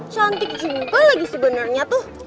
cantik juga lagi sebenernya tuh